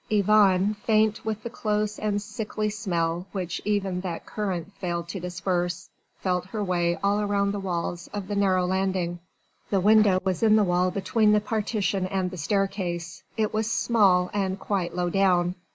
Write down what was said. Yvonne, faint with the close and sickly smell, which even that current failed to disperse, felt her way all round the walls of the narrow landing. The window was in the wall between the partition and the staircase, it was small and quite low down.